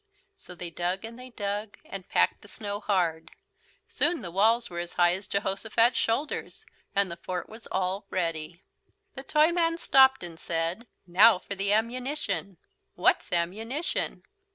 So they dug and they dug and packed the snow hard. Soon the walls were as high as Jehosophat's shoulders, and the fort was all ready. The Toyman stopped and said: "Now for the ammunition." "What's ammunition?'